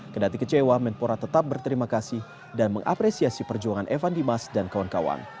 kedati kecewa menpora tetap berterima kasih dan mengapresiasi perjuangan evan dimas dan kawan kawan